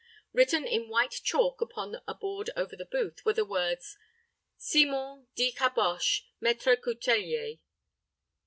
Written in white chalk upon a board over the booth were the words, "Simon, dit Caboche, Maître Coutellier."